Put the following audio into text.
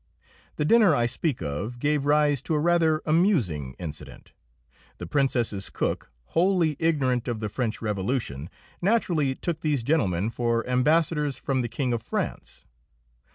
The dinner I speak of gave rise to a rather amusing incident. The Princess's cook, wholly ignorant of the French Revolution, naturally took these gentlemen for ambassadors from the King of France.